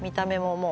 もう